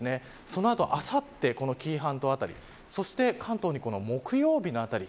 その後、あさって紀伊半島辺りそして、関東に木曜日のあたり